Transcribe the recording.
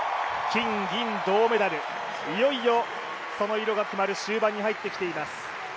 金・銀・銅、いよいよその色が決まる終盤に入ってきています。